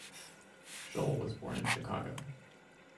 Scholl was born in Chicago.